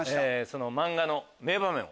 漫画の名場面を。